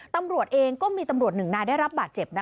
ตำรวจเองก็มีตำรวจหนึ่งนายได้รับบาดเจ็บ